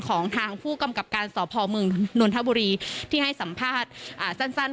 ของทางผู้กำกับการสพเมืองนนทบุรีที่ให้สัมภาษณ์สั้น